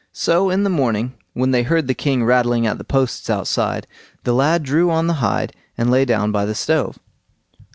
So in the morning when they heard the king rattling at the posts outside, the lad drew on the hide, and lay down by the stove.